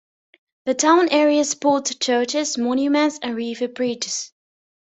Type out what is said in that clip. The town area spots churches, monuments and river bridges.